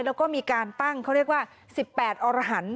แล้วก็มีการตั้งเขาเรียกว่า๑๘อรหันต์